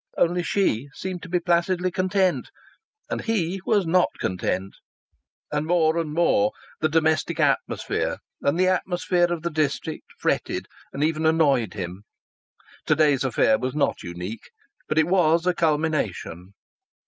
Only, she seemed to be placidly content, and he was not content. And more and more the domestic atmosphere and the atmosphere of the district fretted and even annoyed him. To night's affair was not unique. But it was a culmination.